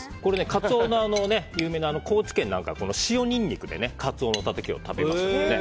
カツオが有名な高知県でも塩ニンニクでカツオのたたきを食べますのでね。